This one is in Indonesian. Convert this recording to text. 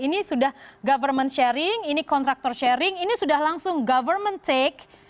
ini sudah government sharing ini kontraktor sharing ini sudah langsung government take